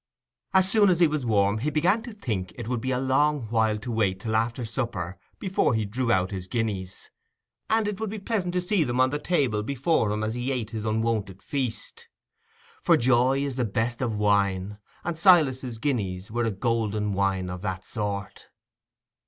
As soon as he was warm he began to think it would be a long while to wait till after supper before he drew out his guineas, and it would be pleasant to see them on the table before him as he ate his unwonted feast. For joy is the best of wine, and Silas's guineas were a golden wine of that sort.